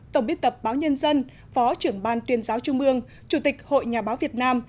tổng biên tập báo nhân dân phó trưởng ban tuyên giáo trung ương chủ tịch hội nhà báo việt nam